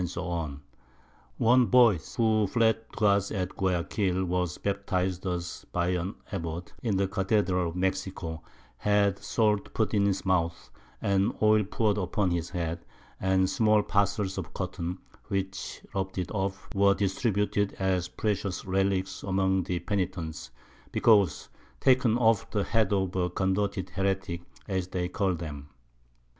_ One Boyse, who fled to us at Guiaquil, was baptized thus by an Abbot, in the Cathedral of Mexico, had Salt put in his Mouth, and Oil poured upon his Head, and small parcells of Cotton, which rub'd it off, were distributed as precious Relicks among the Penitents, because taken off the Head of a converted Heretick, as they call them.